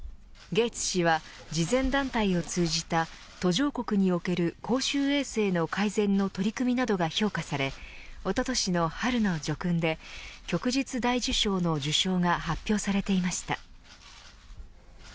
ゲイツ氏は慈善団体を通じた途上国における公衆衛生の改善の取り組みなどが評価され、おととしの春の叙勲で旭日大綬章の受章が発表されていました。